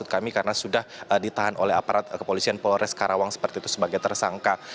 karena sudah ditahan oleh aparat kepolisian polres karawang seperti itu sebagai tersangka